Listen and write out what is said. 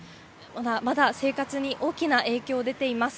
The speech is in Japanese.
まだ生活に大きな影響が出ています。